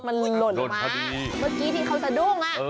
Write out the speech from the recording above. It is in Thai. เมื่อกี้ที่เค้าแซดลง